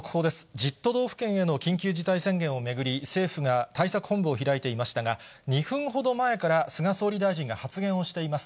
１０都道府県への緊急事態宣言を巡り、政府が対策本部を開いていましたが、２分ほど前から菅総理大臣が発言をしています。